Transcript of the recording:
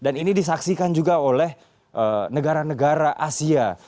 dan ini disaksikan juga oleh negara negara asia